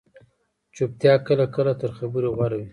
چُپتیا کله کله تر خبرې غوره وي